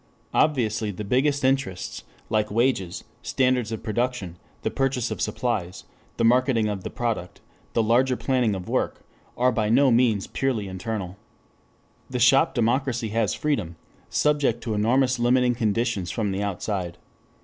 Obviously the biggest interests, like wages, standards of production, the purchase of supplies, the marketing of the product, the larger planning of work, are by no means purely internal. The shop democracy has freedom, subject to enormous limiting conditions from the outside.